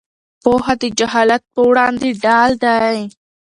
پوهه د جهالت پر وړاندې ډال دی.